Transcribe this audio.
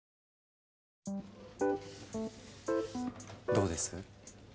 どうです？